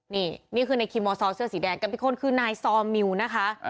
นี่คือในคิมมซเสื้อสีแดงกันเป็นคนคือนายซมิวนะคะ